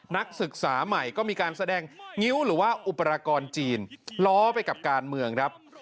นักศึกษาใหม่ก็มีการแสดงงิ้วหรือว่าอุปกรณ์จีนล้อไปกับการเมืองครับ